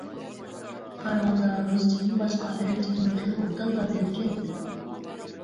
قارىغاندا رۇسچىدىن باشقا ئەرەبچىنىمۇ خېلى ئوبدانلا بىلىدىكەنسىز.